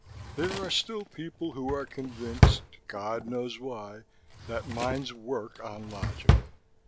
"There are still people who are convinced, God knows why, that minds work on logic.